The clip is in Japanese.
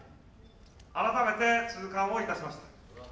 改めて痛感をいたしました。